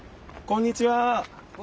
こんにちは！